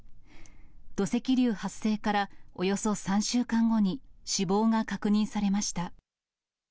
土石流発生からおよそ３週間後に、死亡が確認されました。